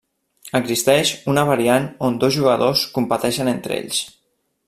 Existeix una variant on dos jugadors competeixen entre ells.